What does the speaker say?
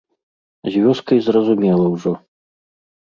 З вёскай зразумела ўжо.